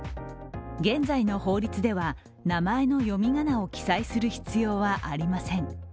現在の法律では名前の読み仮名を記載する必要はありません。